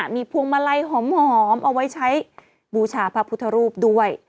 มีพวงมาลัยหอมเอาไว้ใช้บูชาพระพุทธรูปด้วย